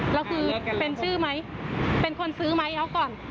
แล้วคือเป็นชื่อไหมเป็นคนซื้อไหมเอาก่อน